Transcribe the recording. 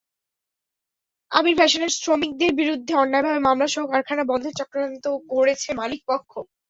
আবির ফ্যাশনের শ্রমিকদের বিরুদ্ধে অন্যায়ভাবে মামলাসহ কারখানা বন্ধের চক্রান্ত করেছে মালিকপক্ষ।